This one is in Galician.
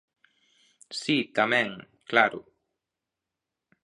Si, tamén, claro.